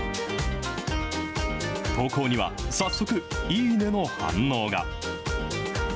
投稿には、早速、いいねの反応が。